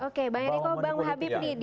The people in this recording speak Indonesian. oke bang eriko bang habib didi